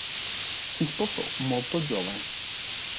Si sposò molto giovane.